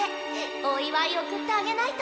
お祝い贈ってあげないと。